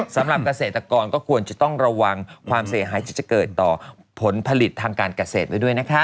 สำหรับเกษตรกรก็ควรจะต้องระวังความเสียหายที่จะเกิดต่อผลผลิตทางการเกษตรไว้ด้วยนะคะ